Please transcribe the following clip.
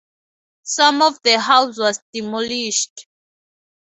Some of the house was demolished.